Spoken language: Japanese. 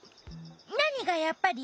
なにが「やっぱり」？